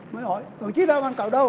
mới hỏi đồng chí la văn cầu đâu